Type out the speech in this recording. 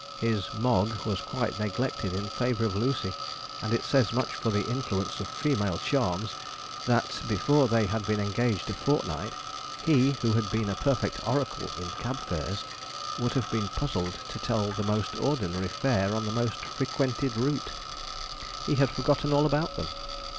His Mogg was quite neglected in favour of Lucy; and it says much for the influence of female charms that, before they had been engaged a fortnight, he, who had been a perfect oracle in cab fares, would have been puzzled to tell the most ordinary fare on the most frequented route. He had forgotten all about them.